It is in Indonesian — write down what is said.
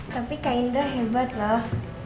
tapi kak indro hebat lah